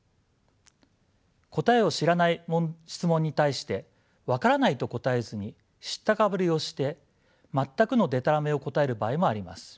答えを知らない質問に対して分からないと答えずに知ったかぶりをして全くのでたらめを答える場合もあります。